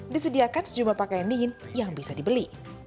disediakan sejumlah pakaian dingin yang bisa dibeli